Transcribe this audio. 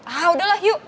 ah udahlah yuk